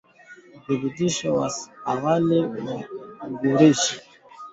Uthibitisho wa awali wa ugonjwa wa kimeta ni kuzimia na kifafa